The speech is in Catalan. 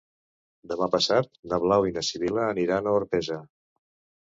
Demà passat na Blau i na Sibil·la aniran a Orpesa.